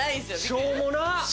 「しょうもな」